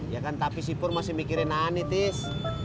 ya kan tapi si pur masih mikirin anitis